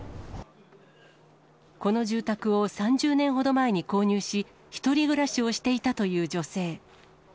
この住宅を３０年ほど前に購入し、１人暮らしをしていたという女性。